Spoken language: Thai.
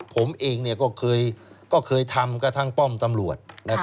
ผมเองก็เคยทำกระทั่งป้อมตำรวจ